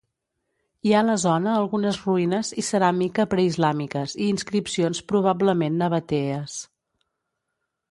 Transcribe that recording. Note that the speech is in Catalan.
Hi ha la zona algunes ruïnes i ceràmica preislàmiques i inscripcions probablement nabatees.